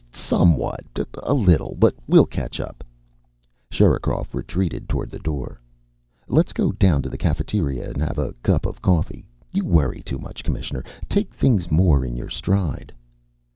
"Somewhat. A little. But we'll catch up." Sherikov retreated toward the door. "Let's go down to the cafeteria and have a cup of coffee. You worry too much, Commissioner. Take things more in your stride."